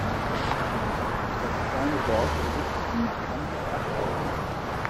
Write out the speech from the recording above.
Das kleine Dorf besitzt ein markantes Backhaus.